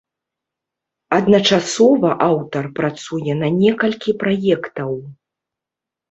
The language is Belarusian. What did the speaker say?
Адначасова аўтар працуе на некалькі праектаў.